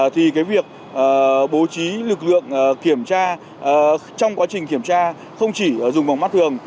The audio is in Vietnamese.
thì việc bố trí lực lượng kiểm tra trong quá trình kiểm tra không chỉ dùng vòng mắt thường